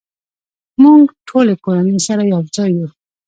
مونږ ټولې کورنۍ سره یوځای یو